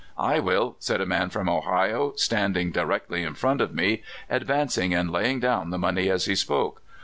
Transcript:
"I will," said a man from Ohio, standing directly in front of me, advancing and laying down the money as he spoke.